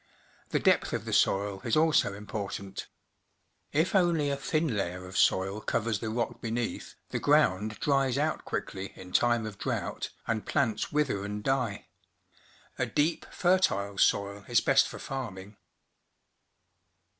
The depth of the soil is also important . If only a thin layer of soil covers the rock beneath, the ground dries out quickly in time of drought, and plants wither and die. A deep, fertile soil is best for farming.